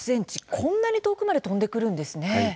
こんなに遠くまで飛んでくるんですね。